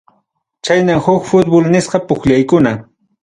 Chaynam huk fútbol nisqa pukllaykuna.